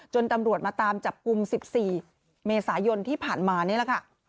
ตำรวจมาตามจับกลุ่ม๑๔เมษายนที่ผ่านมานี่แหละค่ะ